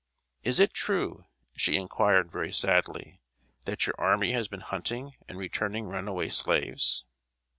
"Is it true," she inquired, very sadly, "that your army has been hunting and returning runaway slaves?"